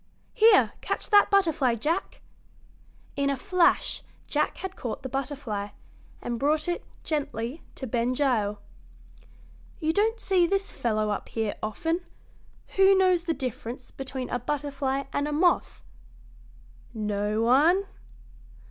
Here, catch that butterfly, Jack!" In a flash Jack had caught the butterfly, and brought it, gently, to Ben Gile. "You don't see this fellow up here often. Who knows the difference between a butterfly and a moth? No one?